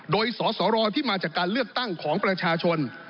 โดยสสรที่มาจากการเลือกตั้งของประชาชน